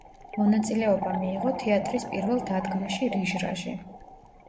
მონაწილეობა მიიღო თეატრის პირველ დადგმაში „რიჟრაჟი“.